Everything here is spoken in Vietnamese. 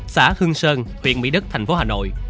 xã hương sơn huyện mỹ đức thành phố hà nội